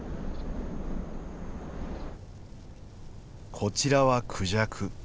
こちらはクジャク。